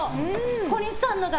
小西さんのが。